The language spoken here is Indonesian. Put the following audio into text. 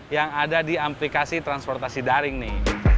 yang ada di aplikasi transportasi daring nih